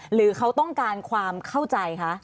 หรือเขาต้องการความเข้าใจคะ